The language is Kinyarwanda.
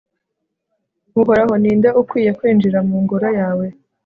uhoraho, ni nde ukwiye kwinjira mu ngoro yawe